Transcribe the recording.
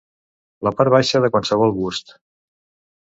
La part baixa de qualsevol bust.